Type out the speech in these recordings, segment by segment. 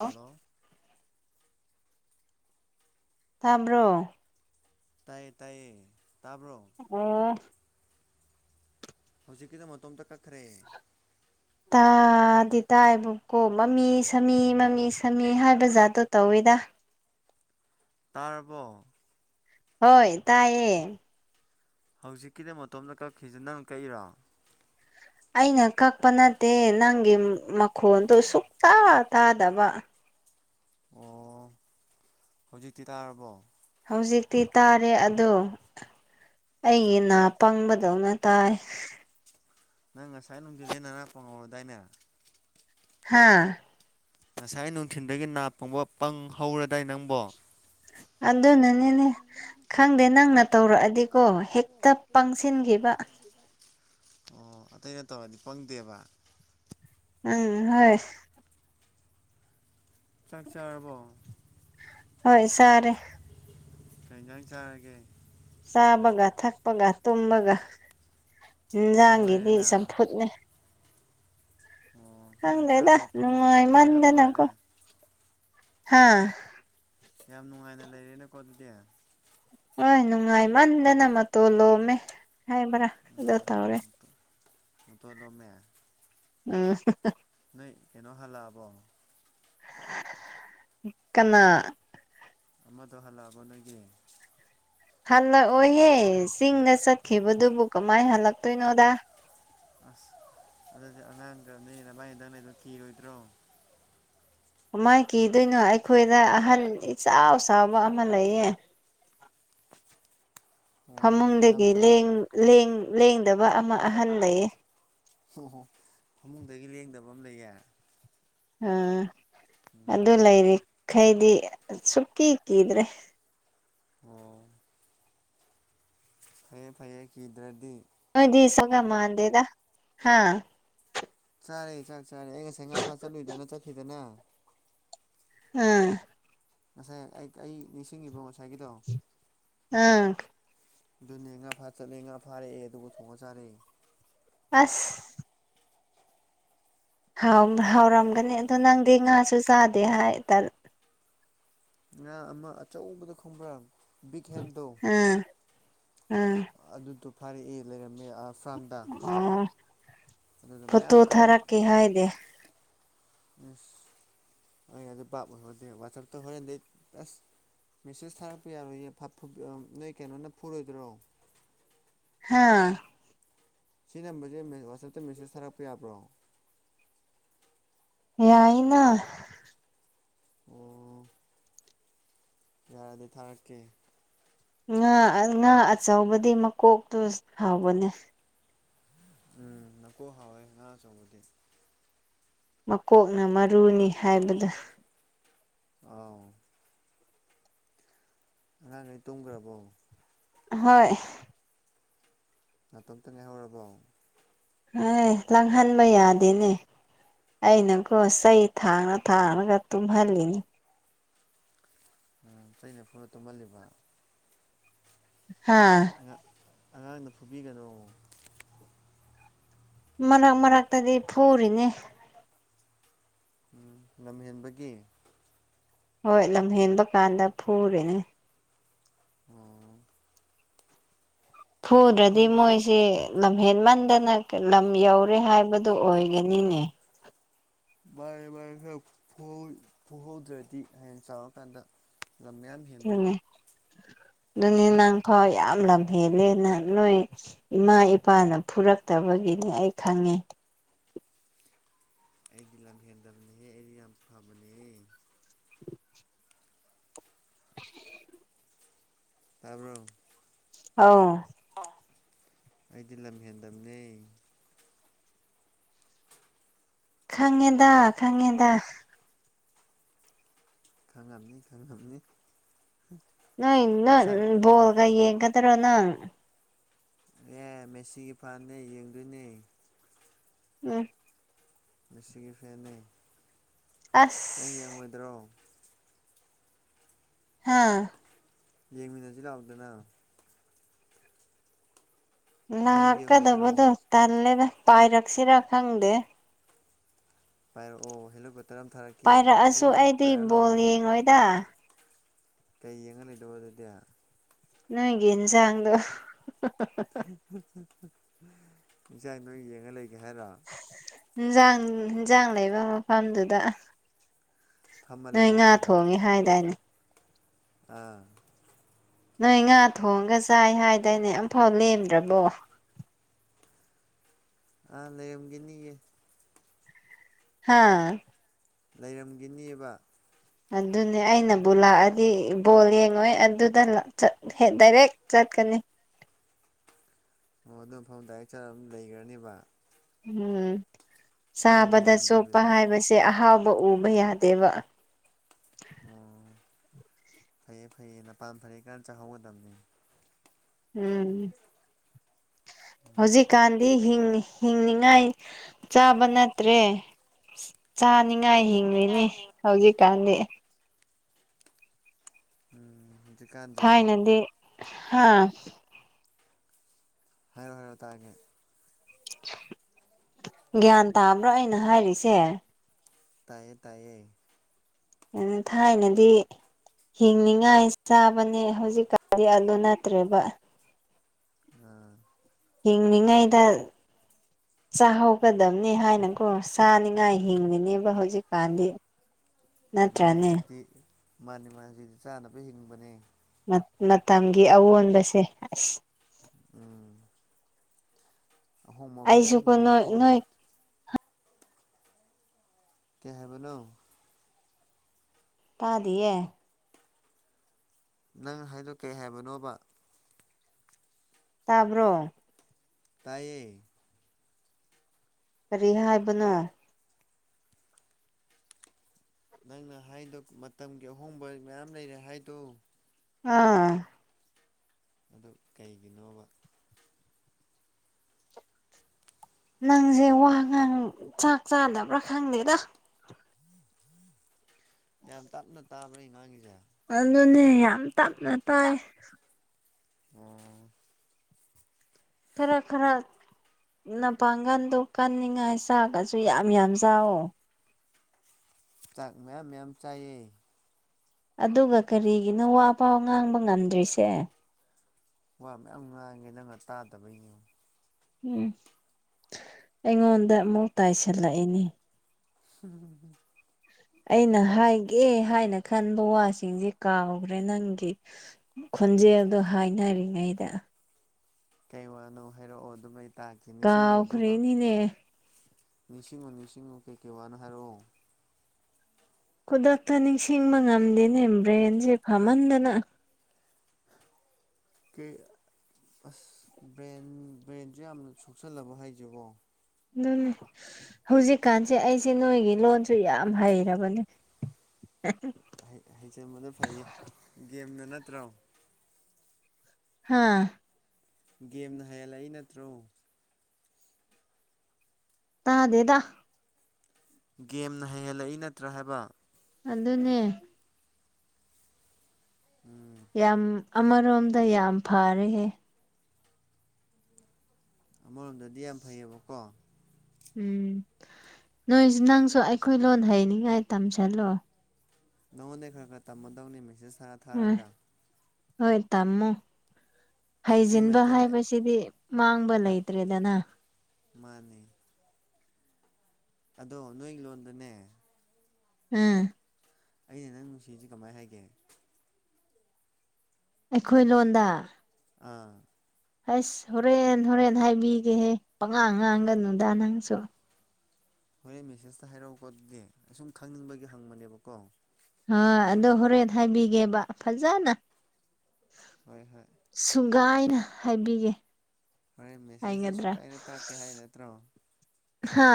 hello ꯇꯥꯕ꯭ꯔꯣ ꯇꯥꯏꯌꯦ ꯇꯥꯏꯌꯦ ꯇꯥꯕ꯭ꯔꯣ ꯑꯣ ꯍꯧꯖꯤꯛꯀꯤꯗꯣ ꯃꯇꯣꯝꯇ ꯀꯛꯈ꯭ꯔꯦ ꯇꯥꯗꯤ ꯇꯥꯏꯕꯀꯣ ꯃꯃꯤ ꯁꯥꯃꯤ ꯃꯃꯤ ꯁꯥꯃꯤ ꯍꯥꯏꯕ ꯖꯥꯠꯇꯣ ꯇꯧꯌꯦ ꯗ ꯇꯥꯔꯕꯣ ꯍꯣꯏ ꯇꯥꯏꯌꯦ ꯍꯧꯖꯤꯛꯀꯤꯗ ꯃꯇꯣꯝꯇ ꯀꯛꯈꯤꯖꯦ ꯅꯪꯅ ꯀꯛꯏꯔꯣ ꯑꯩꯅ ꯀꯛꯄ ꯅꯠꯇꯦ ꯅꯪꯒꯤ ꯃꯈꯣꯟꯗꯣ ꯁꯨꯛꯇꯥ ꯇꯥꯗꯕ ꯑꯣ ꯍꯧꯖꯤꯛꯇꯤ ꯇꯥꯔꯕꯣ ꯍꯧꯖꯤꯛꯇꯤ ꯇꯥꯔꯦ ꯑꯗꯣ ꯑꯩꯒꯤ ꯅꯥ ꯄꯪꯕꯗꯧꯅ ꯇꯥꯏ ꯅꯪ ꯉꯁꯥꯏ ꯅꯨꯡꯗꯤꯟꯗꯩ ꯅꯅꯥ ꯄꯪꯍꯧꯔꯗꯥꯏꯅꯦ ꯍꯥꯥ ꯉꯁꯥꯏ ꯅꯨꯡꯊꯤꯟꯗꯒꯤ ꯅꯥ ꯄꯪꯕ ꯄꯪꯍꯧꯔꯗꯥꯏ ꯅꯪꯕꯣ ꯑꯗꯨꯅꯅꯦꯅꯦ ꯈꯪꯗꯦ ꯅꯪꯅ ꯇꯧꯔꯛꯑꯗꯤꯀꯣ ꯍꯦꯛꯇ ꯄꯪꯁꯤꯟꯈꯤꯕ ꯑꯣ ꯑꯇꯩꯩꯅ ꯇꯧꯔꯗꯤ ꯄꯪꯗꯦꯕ ꯎꯝ ꯍꯣꯏ ꯆꯥꯛ ꯆꯥꯔꯕꯣ ꯍꯣꯏ ꯆꯥꯔꯦ ꯀꯩ ꯏꯟꯖꯥꯡ ꯆꯥꯔꯒꯦ ꯆꯥꯕꯒ ꯊꯛꯄꯒ ꯇꯨꯝꯕꯒ ꯑꯦꯟꯖꯥꯡꯒꯤꯗꯤ ꯅꯨꯡꯉꯥꯏꯔꯦꯅ ꯆꯝꯐꯨꯠꯅꯦ ꯑꯣ ꯅꯪ ꯈꯪꯗꯦꯗꯥ ꯆꯥꯕꯒ ꯇꯨꯝꯕꯒ ꯊꯛꯄꯒ ꯌꯥꯝ ꯅꯨꯡꯉꯥꯏꯃꯟꯗꯅꯀꯣ ꯅꯨꯡꯉꯥꯏꯔꯦ ꯍꯥꯥ ꯌꯥꯝ ꯅꯨꯡꯉꯥꯏꯅ ꯂꯩꯔꯦꯅꯦꯀꯣ ꯑꯗꯨꯗꯤ ꯍꯣꯏ ꯅꯨꯡꯉꯥꯏ ꯃꯃꯟꯗꯅ ꯃꯇꯣꯟ ꯂꯣꯝꯃꯦ ꯍꯥꯏꯕ꯭ꯔꯥ ꯑꯗꯣ ꯇꯧꯔꯦ ꯃꯇꯣꯟ ꯂꯣꯃꯦ [unintelligible] ꯅꯣꯏ ꯀꯩꯅꯣ ꯍꯥꯜꯂꯕꯣ ꯀꯅꯥ ꯑꯃꯗꯣ ꯍꯜꯂꯛꯑꯕ ꯅꯣꯏꯒꯤ ꯍꯜꯂꯛꯑꯣꯍꯦ ꯆꯤꯡꯗ ꯆꯠꯈꯤꯕꯗꯨꯕꯨ ꯀꯃꯥꯏ ꯍꯜꯂꯛꯇꯣꯏꯅꯣꯗ ꯑꯁ ꯑꯗꯨꯗꯤ ꯑꯉꯥꯡꯗꯒ ꯅꯣꯏ ꯅꯕꯥꯏꯅꯤꯗꯪ ꯂꯩꯕ ꯀꯤꯔꯣꯏꯗ꯭ꯔꯣ ꯀꯃꯥꯏ ꯀꯤꯗꯣꯏꯅꯣ ꯑꯩꯈꯣꯏꯗ ꯑꯍꯟ ꯏꯆꯥꯎ ꯆꯥꯎꯕ ꯑꯃ ꯂꯩꯌꯦ ꯑꯣ ꯌꯥꯝ ꯐꯃꯨꯡꯗꯒꯤ ꯆꯥꯎ ꯂꯦꯡ ꯂꯦꯡ ꯂꯦꯡꯗꯕ ꯑꯃ ꯑꯍꯟ ꯂꯩꯌꯦ ꯑꯣ ꯐꯃꯨꯡꯗꯒꯤ ꯂꯦꯡꯗꯕ ꯑꯝ ꯂꯩꯌꯦ ꯑꯥ ꯑꯗꯨ ꯂꯩꯔꯤ ꯈꯩꯗꯤ ꯁꯨꯛꯀꯤ ꯀꯤꯗ꯭ꯔꯦ ꯑꯣ ꯐꯩꯌꯦ ꯐꯩꯌꯦ ꯀꯤꯗ꯭ꯔꯗꯤ [unintelligible] ꯃꯥꯟꯗꯦꯗ ꯍꯥꯥ ꯆꯥꯔꯦ ꯆꯥꯛ ꯆꯥꯔꯦ ꯑꯩ ꯉꯁꯥꯏ ꯉꯥ ꯐꯥ ꯆꯠꯂꯨꯏꯗꯅ ꯆꯠꯈꯤꯗꯅꯦ ꯑꯥ ꯉꯁꯥꯏ ꯑ ꯑꯩ ꯅꯤꯡꯁꯤꯡꯉꯤꯕꯣ ꯉꯁꯥꯏꯒꯤꯗꯣ ꯑꯥ ꯑꯗꯨꯅꯦ ꯉꯥ ꯐꯥ ꯆꯠꯂꯦ ꯉꯥ ꯐꯥꯔꯛꯑꯦ ꯑꯗꯨꯒ ꯊꯣꯡꯉ ꯆꯥꯔꯦ ꯑ꯭ꯁ ꯍꯥꯎꯔꯅ ꯍꯥꯎꯔꯝꯒꯅꯤ ꯑꯗꯣ ꯅꯪꯗꯤ ꯉꯥꯁꯨ ꯆꯥꯗꯦ ꯍꯥꯏꯇꯥ ꯉꯥ ꯑꯃ ꯑꯆꯧꯕꯗ ꯈꯪꯕ꯭ꯔꯥ ꯕꯤꯛ ꯍꯦꯟꯗꯣ ꯎꯝ ꯐꯔꯦꯏ ꯂꯩꯔꯝꯃꯦ ꯑꯥ ꯑꯣ ꯑꯗꯨꯗ ꯐꯣꯠꯇꯣ ꯃꯌꯥꯝ ꯀꯛꯑ ꯊꯔꯛꯀꯦ ꯍꯥꯏꯗꯦ ꯑꯩ ꯑꯗꯨ ꯚꯥꯞ ꯑꯣꯏꯍꯧꯗꯦ ꯋꯥꯆꯞꯇꯨ ꯍꯔꯦꯟꯗꯩ ꯑꯁ ꯃꯦꯁꯦꯁ ꯊꯥꯔꯛꯄ ꯌꯥꯔꯣꯏꯌꯦ [unintelligible] ꯅꯣꯏ ꯀꯩꯅꯣꯅ ꯐꯨꯔꯣꯏꯗ꯭ꯔꯣ ꯍꯥꯥ ꯁꯤ ꯅꯝꯕꯔꯖꯦ [unintelligible] ꯋꯥꯆꯞꯇ ꯃꯦꯁꯦꯁ ꯊꯥꯔꯛꯄ ꯌꯥꯕ꯭ꯔꯣ ꯌꯥꯏꯅ ꯑꯣ ꯌꯥꯔꯗꯤ ꯊꯥꯔꯛꯀꯦ ꯉꯥ ꯉꯥ ꯑꯆꯧꯕꯗꯤ ꯃꯀꯣꯛꯇꫭ ꯍꯥꯎꯕꯅꯦ ꯎꯝ ꯅꯀꯣ ꯍꯥꯎꯋꯦ ꯉꯥ ꯑꯆꯧꯕꯗꯤ ꯃꯀꯣꯛꯅ ꯃꯔꯨꯅꯤ ꯍꯥꯏꯕꯗꯣ ꯑꯥꯎ ꯑꯉꯥꯡꯒꯩ ꯇꯨꯝꯒ꯭ꯔꯕꯣ ꯍꯣꯏ ꯅꯇꯣꯝꯇ ꯉꯥꯏꯍꯧꯔꯕꯣ [unintelligible] ꯂꯥꯡꯍꯟꯕ ꯌꯥꯗꯦꯅꯦ ꯑꯩꯅꯀꯣ ꯆꯩ ꯊꯥꯡꯔ ꯊꯥꯔꯒ ꯇꯨꯝꯍꯜꯂꯤꯅꯤ ꯆꯩꯅ ꯐꯨꯔ ꯇꯨꯝꯍꯜꯂꯤꯕ ꯍꯥꯥ ꯑꯉꯥꯡꯗꫭ ꯐꯨꯕꯤꯒꯅꫭ ꯃꯔꯛ ꯃꯔꯛꯇꯗꯤ ꯐꯨꯔꯤꯅꯦ ꯎꯝ ꯅꯝꯍꯦꯟꯕꯒꯤ ꯍꯣꯏ ꯂꯝꯍꯦꯟꯕ ꯀꯥꯟꯗ ꯐꯨꯨꯔꯤꯅꯦ ꯑꫭ ꯐꯨꯗ꯭ꯔꯗꯤ ꯃꯣꯏꯁꯦ ꯂꯝꯍꯦꯟꯃꯟꯗꯅ ꯀ ꯂꯝ ꯌꯧꯔꯦ ꯍꯥꯏꯕꯗꯨ ꯑꯣꯏꯒꯅꯤꯅꯦ ꯃꯥꯟꯅꯦ ꯃꯥꯟꯅꯦ ꯈꯔ ꯐꯨꯍꯧ ꯐꯨꯍꯧꯗ꯭ꯔꯗꯤ ꯍꯌꯦꯡ ꯆꯥꯎꯔꯀꯥꯟꯗ ꯂꯝ ꯃꯌꯥꯝ ꯍꯦꯟꯗꯣꯏꯕ ꯑꯗꯨꯅꯦ ꯑꯗꯨꯅꯦ ꯅꯪ ꯐꯥꯎ ꯌꯥꯝ ꯂꯝꯍꯦꯜꯂꯦꯅ ꯅꯣꯏ ꯏꯃꯥ ꯏꯄꯥꯅ ꯐꯨꯔꯛꯇꯕ ꯒꯤꯅꯦ ꯑꯩ ꯈꯪꯉꯦ ꯑꯩꯗꯤ ꯂꯝ ꯍꯦꯟꯗꯝꯅꯤꯍꯦ ꯑꯩꯗꯤ ꯌꯥꯝ ꯐꯕꯅꯤꯍꯦ [inaudible] ꯇꯥꯕ꯭ꯔꯣ ꯑꯧ ꯑꯩꯗꯤ ꯂꯝꯍꯦꯟꯗꯞꯅꯦ ꯈꯪꯉꯦꯗꯥ ꯈꯪꯉꯦꯗꯥ ꯈꯪꯉꯝꯅꯤ ꯈꯪꯉꯝꯅꯤ ꯅꯣꯏ ꯡ ꯆꯥꯛ [unintelligible] ꯕꯣꯜꯒ ꯌꯦꯡꯒꯗ꯭ꯔꯣ ꯅꯪ ꯑꯦ ꯃꯦꯁꯤꯒꯤ ꯐꯥꯟꯅꯦ ꯌꯦꯡꯗꯣꯏꯅꯦ [unintelligible] ꯃꯦꯁꯤꯒꯤ ꯐꯦꯟꯅꯦ ꯑꯁ ꯑꯩ ꯌꯦꯡꯉꯣꯏꯗ꯭ꯔꯣ ꯍꯥꯥ ꯌꯦꯡꯃꯤꯟꯅꯖꯤ ꯂꯥꯎꯗꯅ ꯅꯪ ꯂꯥꯛꯀꯗꯕꯗꯣ ꯌꯦꯡꯉꯣꯏꯗ꯭ꯔꯣ ꯇꯜꯂꯦꯗ ꯄꯥꯏꯔꯛꯁꯤꯔ ꯈꯪꯗꯦ ꯄꯥꯏꯔꯛꯑꯣ ꯍꯦꯜꯂꯤꯀꯨ ꯄꯥꯏꯔꯛꯑꯁꯨ ꯑꯩꯗꯤ ꯕꯣꯜ ꯌꯦꯡꯔꫭꯏꯗ ꯀꯩ ꯌꯦꯡꯉ ꯂꯩꯗꯣꯏꯕ ꯑꯗꯨꯗꯤ ꯅꯪꯒꯤ ꯏꯟꯁꯥꯡꯗꯣ [unintelligible] ꯏꯟꯖꯥꯡꯗꯣꯗ ꯌꯦꯡꯉ ꯂꯩꯒꯦ ꯍꯥꯏꯔꯣ ꯏꯟꯖꯥꯡ ꯍꯦꯟꯖꯥꯡ ꯂꯩꯕ ꯃꯐꯝꯗꯨꯗ ꯐꯝꯃ ꯅꯣꯏ ꯉꯥ ꯂꯩꯍꯧꯒꯦꯕ ꯊꯣꯡꯉꯦ ꯍꯥꯏꯗꯥꯏꯅꯦ ꯑꯥ ꯅꯣꯏ ꯉꯥ ꯊꯣꯡꯉꯒ ꯆꯥꯏ ꯍꯥꯏꯗꯥꯏꯅꯦ ꯑꯝꯐꯥꯎ ꯂꯦꯝꯗ꯭ꯔꯕꯣ ꯑꯥ ꯂꯩꯔꯝꯒꯤꯅꯤꯌꯦ ꯍꯥꯥ ꯂꯩꯔꯝꯒꯤꯅꯤꯕ ꯑꯗꯨꯅꯦ ꯑꯩꯅꯕꯨ ꯂꯥꯛꯑꯗꯤ ꯕꯣꯜ ꯌꯦꯡꯉꯣꯏ ꯑꯗꯨꯗ ꯆꯠ ꯍꯦꯛ ꯗꯥꯏꯔꯦꯛ ꯆꯠ ꯀꯅꯤ ꯑꯣ ꯑꯗꯨꯐꯝ ꯗꯥꯏꯔꯦꯛ ꯆꯠꯂ ꯑꯗꯨꯝ ꯂꯩꯒ꯭ꯔꯅꯤꯕ ꯎꯝ ꯕꯣꯜꯒ ꯆꯥꯕꯗ ꯆꯣꯞꯄ ꯌꯦꯡꯗꯕꯤꯗ ꯍꯥꯏꯕꯁꯦ ꯑꯍꯥꯎ ꯕ ꯎꯕ ꯌꯥꯗꯦꯕ ꯑꯣ ꯐꯩꯌꯦ ꯐꯩꯌꯦ ꯅꯄꯥꯟ ꯐꯔꯤ ꯀꯥꯟ ꯆꯥꯍꯧꯒꯗꯝꯅꯤ ꯎꯝ ꯍꯧꯖꯤꯛꯀꯥꯟꯗꯤ ꯍꯤꯡ ꯍꯤꯡꯅꯤꯉꯥꯏ ꯆꯥꯕ ꯅꯠꯇ꯭ꯔꯦ ꯆꯥꯅꯤꯉꯥꯏ ꯍꯤꯡꯔꯤꯅꯤ ꯍꯧꯖꯤꯛꯀꯥꯟꯗꯤ ꯎꯝ ꯍꯧꯖꯤꯛꯀꯥꯟꯖꯦ ꯍꯥꯥ ꯍꯥꯏꯔꯣ ꯍꯥꯏꯔꯣ ꯇꯥꯒꯦ ꯒ꯭ꯌꯥꯟ ꯇꯥꯕ꯭ꯔꯣ ꯑꯩꯅ ꯍꯥꯏꯔꯤꯁꯦ ꯇꯥꯏꯌꯦ ꯇꯥꯏꯌꯦ ꯑꯝ ꯊꯥꯏꯅꯗꯤ ꯍꯤꯡꯅꯤꯡꯉꯥꯏ ꯆꯥꯕꯅꯦ ꯍꯧꯖꯤꯛꯀꯥꯟꯗꯤ ꯑꯗꯨ ꯅꯠꯇ꯭ꯔꯦꯕ ꯑꯥ ꯌꯦꯡꯂꯤꯉꯩꯗ ꯆꯥꯍꯧꯒꯗꯝꯅꯤ ꯍꯥꯏꯅꯀꯣ ꯆꯅꯤꯡꯉꯥꯏ ꯍꯤꯡꯉꯤꯅꯦꯕ ꯍꯧꯖꯤꯛꯀꯥꯟꯗꯤ ꯃꯥꯅꯦ ꯅꯠꯇ꯭ꯔꯅꯦ ꯍꯨꯖꯤꯛꯇꯤ ꯃꯥꯅꯦ ꯃꯥ ꯖꯤꯛꯇꯤ ꯆꯥꯅꯕ ꯍꯤꯡꯕꯅꯦ ꯃꯇꯝꯒꯤ ꯑꯑꯣꯟꯕꯁꯦ ꯑꯁ ꯎꯝ ꯑꯍꯣꯡꯕ ꯃꯌꯥꯝ ꯑꯩꯁꯨꯀꯣ ꯅꯣꯏ ꯂꯩꯌꯦꯀꯣ ꯅꯣꯏ ꯍꯧꯖꯤꯛ ꯀꯩ ꯍꯥꯏꯕꯅꯣ ꯇꯥꯗꯤꯌꯦ ꯅꯪ ꯍꯥꯏꯗꯣ ꯀꯩ ꯍꯥꯏꯕꯅꯣꯕ ꯇꯥꯕ꯭ꯔꯣ ꯇꯥꯏꯌꯦ ꯀꯔꯤ ꯍꯥꯏꯕꯅꯣ ꯅꯪꯅ ꯍꯥꯏꯗꯣ ꯃꯇꯝꯒꯤ ꯑꯍꯣꯡꯕ ꯃꯌꯥꯝ ꯂꯩꯔꯦ ꯍꯥꯏꯗꯣ ꯑꯥ ꯑꯗꯨ ꯀꯩꯒꯤꯅꯣꯕ ꯅꯪꯁꯦ ꯋꯥꯉꯥꯡ ꯆꯥꯛ ꯆꯥꯗꯕ꯭ꯔꯥ ꯈꯪꯗꯦꯗ ꯌꯥꯝ ꯇꯞꯅ ꯇꯥꯕ꯭ꯔ ꯑꯩ ꯉꯥꯡꯉꯤꯁꯦ ꯑꯗꯨꯅꯦ ꯌꯥꯝ ꯇꯞꯅ ꯇꯥꯏ ꯑꯣ ꯈꯔ ꯈꯔ ꯅꯄꯥꯡꯒꯜꯗꯣ ꯀꯟꯅꯤꯡꯉꯥꯏ ꯆꯥꯛꯒꯁꯨ ꯌꯥꯝ ꯌꯥꯝ ꯆꯥꯎꯋꯣ ꯆꯥꯛ ꯃꯌꯥꯝ ꯃꯌꯥꯝ ꯆꯥꯏꯌꯦ ꯑꯗꯨꯒ ꯀꯔꯤꯒꯤꯅꯣ ꯋꯥ ꯄꯥꯎ ꯉꯥꯡꯕ ꯉꯝꯗ꯭ꯔꯤꯁꯦ ꯋꯥ ꯃꯌꯥꯝ ꯉꯥꯡꯉꯦ ꯅꯪꯅ ꯇꯥꯗꯕꯩꯅꯦ ꯎꯝ ꯑꯩꯉꯣꯟꯗ ꯑꯃꯨꯛ ꯇꯥꯏꯁꯤꯜꯂꯛꯏꯅꯦ [unintelligible] ꯑꯩꯅ ꯍꯥꯏ ꯑꯦ ꯍꯥꯏꯅ ꯈꯟꯕ ꯋꯥꯁꯤꯡꯁꯦ ꯀꯥꯎꯈ꯭ꯔꯦ ꯅꯪꯒꯤ ꯈꯣꯟꯖꯦꯜꯗꯣ ꯍꯥꯏꯅ ꯔꯤꯉꯩꯗ ꯀꯩ ꯋꯥꯅꯣ ꯍꯥꯏꯔꯛꯑꯣ ꯑꯗꯨꯃꯥꯏ ꯀꯥꯎꯈꯔꯦꯅꯤꯅꯦ ꯅꯤꯡꯁꯤꯡꯉꯨ ꯅꯤꯡꯁꯤꯡꯉꯨ ꯀꯩꯀꯩ ꯋꯥꯅꯣ ꯍꯥꯏꯔꯛꯑꯣ ꯈꯨꯗꯛꯇ ꯅꯤꯡꯁꯤꯡꯕ ꯉꯝꯗꯦꯅꯦ ꯕ꯭ꯔꯦꯟꯁꯦ ꯐꯝꯃꯟꯗꯅ [unintelligible] ꯑꯁ ꯕ꯭ꯔꯦꯟ ꯕ꯭ꯔꯦꯟꯖꯨ ꯌꯥꯝꯅ ꯁꯣꯛꯆꯜꯂꯕꯣ ꯍꯥꯏꯖꯤꯕꯣ [unintelligible] ꯍꯧꯖꯤꯛꯀꯥꯟꯁꯦ ꯑꯩꯁꯦ ꯅꯣꯏꯒꯤ ꯂꯣꯟꯁꯨ ꯌꯥꯝ ꯍꯩꯔꯕꯅꯦ [unintelligible] ꯍꯩ ꯍꯩꯖꯟꯕꯗꯣ ꯐꯩꯌꯦ ꯒꯦꯝꯗꯣ ꯅꯠꯇ꯭ꯔꯣ ꯍꯥꯥ ꯒꯦꯝꯅ ꯍꯩꯍꯜꯂꯛꯏ ꯅꯠꯇ꯭ꯔꯣ ꯇꯥꯗꯦꯗ ꯒꯦꯝꯅ ꯍꯩꯍꯜꯂꯛꯏ ꯅꯠꯇ꯭ꯔꯥ ꯍꯥꯏꯕ ꯑꯗꯨꯅꯦ ꯎꯝ ꯌꯥꯝ ꯑꯃꯔꯣꯝꯗ ꯌꯥꯝ ꯐꯔꯦꯍꯦ ꯑꯃꯔꯣꯝꯗꯗꯤ ꯌꯥꯝ ꯐꯩꯌꯦꯕꯀꯣ ꯎꯝ ꯅꯣꯏꯁ ꯅꯪꯁꯨ ꯑꯩꯈꯣꯏ ꯂꯣꯟ ꯍꯩꯅꯤꯡꯉꯥꯏ ꯇꯝꯁꯜꯂꯣ ꯅꯪꯉꯣꯟꯗꯩ ꯈꯔ ꯈꯔ ꯇꯝꯃꯗꯧꯅꯤ ꯃꯦꯁꯦꯖ ꯊꯥꯔ ꯎꯝ ꯊꯥꯔꯒ ꯍꯣꯏ ꯇꯃꯨ ꯑꯩ ꯍꯩꯖꯤꯟꯕ ꯃꯩꯇꯩ ꯍꯥꯏꯕꯁꯤꯗꯤ ꯃꯥꯡꯕ ꯂꯩꯇ꯭ꯔꯦꯗꯅ ꯃꯥꯜꯂꯦ ꯑꯗꯣ ꯅꯣꯏꯒꯤ ꯂꯣꯟꯗꯅꯦ ꯑꯥ ꯑꯩꯅ ꯅꯪ ꯅꯨꯡꯁꯤꯌꯦꯁꯦ ꯀꯃꯥꯏꯅ ꯍꯥꯏꯒꯦ ꯑꯩꯈꯣꯏ ꯂꯣꯟꯗ ꯑꯥ ꯑꯁ ꯍꯣꯔꯦꯟ ꯍꯣꯔꯦꯟ ꯍꯥꯏꯕꯤꯒꯦꯍꯦ ꯄꯉꯥꯡ ꯉꯥꯡꯒꯅꯨꯗ ꯅꯪꯁꯨ ꯍꯣꯔꯦꯟ ꯃꯦꯁꯦꯁꯇ ꯍꯥꯏꯔꯛꯎꯀꯣ ꯑꯗꯨꯗꯤ ꯁꯨꯝ ꯈꯪꯅꯤꯡꯕꯒꯤ ꯍꯪꯕꯅꯦꯕꯀꯣ [unintelligible] ꯑꯗꯣ ꯍꯣꯔꯦꯟ ꯍꯥꯏꯕꯤꯒꯦꯕ ꯐꯖꯅ ꯍꯣꯏ ꯍꯣꯏ ꯒꯥꯏꯅ ꯍꯥꯏꯕꯤꯒꯦ ꯍꯣꯔꯦꯟ ꯃꯦꯁꯦꯖꯇ ꯍꯥꯏꯒꯗ꯭ꯔꯥ ꯁꯨꯒꯥꯢꯅ ꯇꯥꯛꯀꯦ ꯍꯥꯏ ꯅꯠꯇ꯭ꯔꯣ ꯍꯥ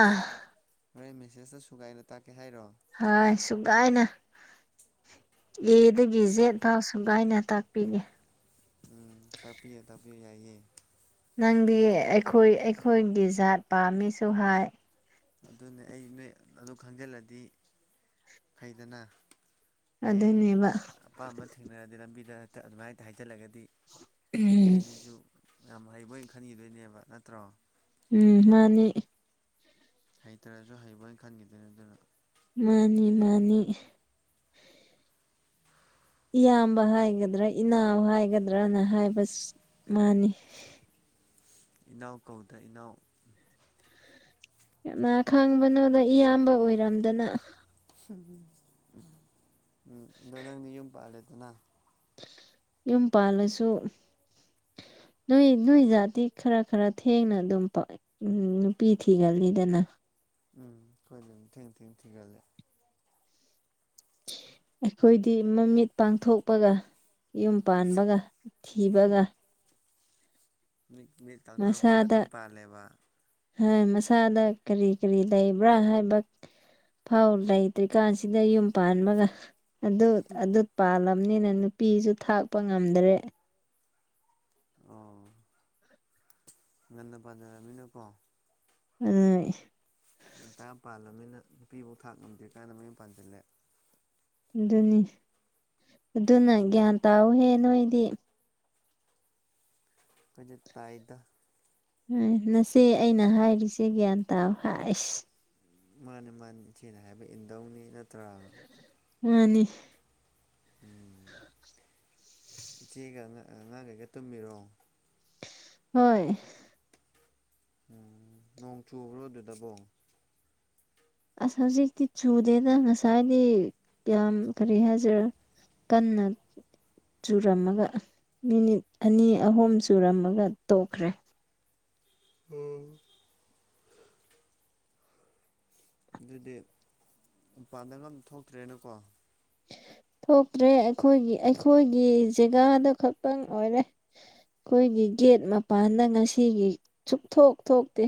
ꯍꯣꯔꯦꯟ ꯃꯦꯁꯦꯁꯇ ꯁꯨꯒꯥꯏꯅ ꯇꯥꯛꯀꯦ ꯍꯥꯏꯔꯣ ꯍꯣꯏ ꯁꯨꯒꯥꯏꯅ ꯑꯦꯗꯒꯤ ꯎꯝ ꯖꯦꯠ ꯐꯥꯎ ꯁꯨꯒꯥꯏꯅ ꯇꯥꯛꯄꯤꯒꯦ ꯎꯝ ꯇꯞꯄꯤꯌꯨ ꯇꯥꯛꯄꯤꯌꯨ ꯌꯥꯏꯌꯦ ꯅꯪꯗꯤ ꯑꯩꯈꯣꯏ ꯑꯩꯈꯣꯏꯒꯤ ꯖꯥꯠ ꯄꯥꯝꯃꯤꯁꯨ ꯍꯥꯏ ꯑꯗꯨꯅꯦ ꯑꯩ ꯅꯣꯏ ꯑꯗꯨ ꯈꯪꯖꯤꯜꯂꯗꯤ ꯐꯩꯗꯅ ꯍꯌꯦꯡ ꯑꯗꯨꯅꯦꯕ ꯑꯄꯥꯝꯕ ꯊꯦꯡꯅꯔꯗꯤ ꯂꯝꯕꯤꯗ ꯍꯦꯛꯇ ꯑꯗꯨꯃꯥꯏ ꯍꯦꯛꯇꯥ ꯍꯥꯏꯖꯜꯂꯒꯗꯤ ꯎꯝ ꯑꯩꯁꯤꯁꯨ ꯌꯥꯝ ꯍꯩꯕꯣꯢꯟ ꯈꯟꯒꯤꯗꯣꯏꯅꯦꯕ ꯅꯠꯇ꯭ꯔꯣ ꯎꯝ ꯃꯥꯟꯅꯤ ꯍꯩꯇꯔꯁꯨ ꯍꯩꯕꯣꯏ ꯈꯟꯒꯤꯗꯣꯏꯅꯦ ꯑꯗꯨꯅ ꯃꯥꯅꯤ ꯃꯥꯅꯤ ꯏꯌꯥꯝꯕ ꯍꯥꯏꯒꯗ꯭ꯔꯥ ꯏꯅꯥꯎ ꯍꯥꯏꯒꯗ꯭ꯔꯅ ꯍꯥꯏꯕ ꯃꯥꯅꯤ ꯏꯅꯥꯎ ꯀꯧꯗ ꯏꯅꯥꯎ ꯀꯅꯥ ꯈꯪꯕꯅꯣꯗ ꯏꯌꯥꯝꯕ ꯑꯣꯏꯔꯝꯗꯅ ꯎꯝ ꯑꯗꯣ ꯅꯪꯗꯤ ꯌꯨꯝ ꯄꯥꯜꯂꯦꯗꯅ ꯌꯨꯝ ꯄꯥꯜꯂꯁꯨ [inaudible] ꯅꯣꯏ ꯅꯣꯏ ꯖꯥꯇꯤ ꯈꯔ ꯈꯔ ꯊꯦꯡꯅ ꯑꯗꯨꯝ ꯅꯨꯄꯤ ꯊꯤꯒꯜꯂꯤꯗꯅ ꯎꯝ ꯈꯣꯏꯗꯤ ꯗꯨꯝ ꯊꯦꯡ ꯊꯦꯡ ꯊꯤꯒꯜꯂꯦ ꯑꯩꯈꯣꯏꯗꯤ ꯃꯃꯤꯠ ꯄꯥꯡꯊꯣꯛꯄꯒ ꯌꯨꯝ ꯄꯥꯟꯕꯒ ꯊꯤꯕꯒ ꯃꯤꯠ ꯄꯥꯡꯊꯣꯔꯛꯄꯒ ꯗꯨꯝ ꯄꯥꯜꯂꯦꯕ ꯍꯣꯏ ꯃꯁꯥꯗ ꯀꯔꯤ ꯀꯔꯤ ꯂꯩꯕ꯭ꯔꯥ ꯍꯥꯏꯕ ꯐꯥꯎ ꯂꯩꯇ꯭ꯔꯤꯀꯥꯟꯁꯤꯗ ꯌꯨꯝ ꯄꯥꯟꯕꯒ ꯑꯗꯨ ꯑꯗꯨ ꯄꯥꯜꯂꯝꯅꯤꯅ ꯅꯨꯄꯤꯁꯨ ꯊꯥꯛꯄ ꯉꯝꯗꯔꯦ ꯑꯣ ꯉꯟꯅ ꯄꯟꯖꯜꯂꯝꯅꯤꯅ ꯀꯣ ꯑꯗꯨꯅꯦ ꯉꯟꯇꯥ ꯄꯥꯜꯂ꯭ꯕꯅꯤꯅ ꯅꯨꯄꯤꯕꯧ ꯊꯥꯛ ꯉꯝꯗ꯭ꯔꯤ ꯀꯥꯟꯗ ꯃꯌꯨꯝ ꯄꯥꯟꯖꯤꯜꯂꯦ ꯑꯗꯨꯅꯤ ꯑꯗꯨꯅ ꯒ꯭ꯌꯥꯟ ꯇꯥꯎꯋꯣꯍꯦ ꯅꯣꯏꯗꯤ ꯑꯩꯈꯣꯏꯗꯤ ꯇꯥꯏꯗ ꯎꯝ ꯅꯆꯦ ꯑꯩꯅ ꯍꯥꯏꯔꯤꯁꯦ ꯒ꯭ꯌꯥꯟ ꯇꯥꯎ ꯍꯥꯏꯁ ꯃꯥꯅꯦ ꯃꯥꯅꯦ ꯏꯆꯦꯅ ꯍꯥꯏꯕ ꯏꯟꯗꯧꯅꯤ ꯅꯠꯇ꯭ꯔꯥ ꯃꯥꯅꯤ ꯎꯝ ꯏꯆꯦꯒ ꯑꯉꯥꯡꯒꯩꯒ ꯇꯨꯝꯃꯤꯔꯣ ꯍꯣꯏ ꯎꯝ ꯅꯣꯡ ꯆꯨꯕ꯭ꯔꯣ ꯑꯗꯨꯗꯕꯣ ꯑꯁ ꯍꯧꯖꯤꯛꯇꯤ ꯆꯨꯗꯦꯗ ꯉꯁꯥꯏꯗꯤ ꯌꯥꯝ ꯀꯔꯤ ꯍꯥꯏꯁꯦꯔ ꯀꯟꯅ ꯆꯨꯔꯝꯃꯒ ꯃꯤꯅꯤꯠ ꯑꯅꯤ ꯑꯍꯨꯝ ꯆꯨꯔꯝꯃꯒ ꯇꯣꯛꯈ꯭ꯔꯦ ꯎꯝ ꯑꯗꯨꯗꯤ ꯃꯄꯥꯟꯗꯒ ꯑꯝ ꯊꯣꯛꯇ꯭ꯔꯦꯅꯀꯣ ꯊꯣꯛꯇ꯭ꯔꯦ ꯑꯩꯈꯣꯏꯒꯤ ꯑꯩꯈꯣꯏꯒꯤ ꯖꯦꯒꯥꯗꯨ ꯈꯛꯇꯪ ꯑꯣꯏꯔꯦ ꯑꯩꯈꯣꯏꯒꯤ ꯒꯦꯠ ꯃꯄꯥꯟꯗ ꯉꯁꯤꯒꯤ ꯁꯨꯛꯊꯣꯛ ꯊꯣꯛꯇꯦ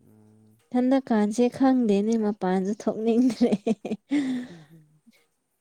ꯎꯝ ꯏꯊꯟꯗ ꯀꯥꯟꯁꯦ ꯈꯪꯗꯦꯅꯦ ꯃꯄꯥꯟꯁꯨ ꯊꯣꯛꯅꯤꯡꯗ꯭ꯔꯦ ꯎꯝ ꯍꯝ